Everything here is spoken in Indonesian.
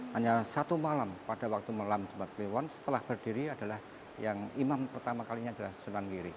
hanya satu malam pada waktu malam jumat kliwon setelah berdiri adalah yang imam pertama kalinya adalah sunan giri